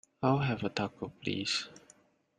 I'll have a Taco, please.